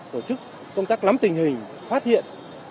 tổ chức công tác lắm tình hình phát hiện